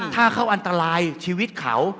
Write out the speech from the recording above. ถ้าเขาอันตรายชีวิตเขา